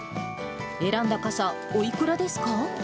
選んだ傘、おいくらですか？